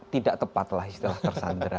tidak tepatlah istilah tersandra